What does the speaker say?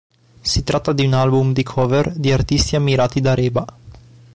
Si tratta di un album di cover di artisti ammirati da Reba.